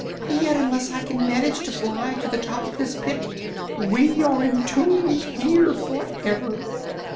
Yet, unless I can manage to fly to the top of this pit, we are entombed here forever."